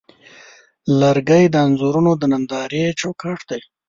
لرګی د انځورونو د نندارې چوکاټ دی.